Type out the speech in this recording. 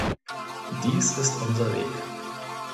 Dies ist unser Weg.